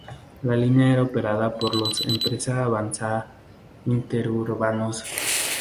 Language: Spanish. La línea era operada por la empresa Avanza Interurbanos.